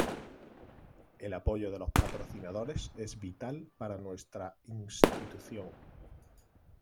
El apoyo de los patrocinadores es vital para nuestra institución.